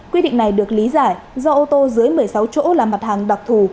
quy định này được lý giải do ô tô dưới một mươi sáu chỗ là mặt hàng đặc thù